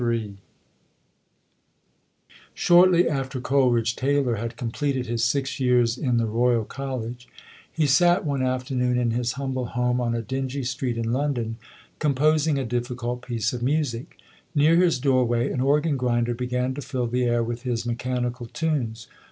II Shortly after Coleridge Taylor had completed his six years in the Royal College, he sat one after noon in his humble home on a dingy street in London, composing a difficult piece of music. Near his doorway, an organ grinder began to fill the air with his mechanical tunes.